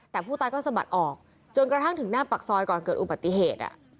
แต่ผู้ตายก็สะบัดออกจนกระทั่งถึงหน้าปากซอยก่อนเกิดอุบัติเหตุ